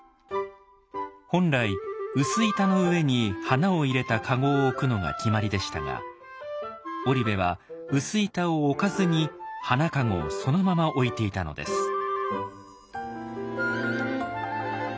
本来薄板の上に花を入れた籠を置くのが決まりでしたが織部は薄板を置かずに花籠をそのまま置いていたのです。